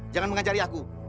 jangan mengajari aku